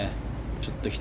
ちょっと左。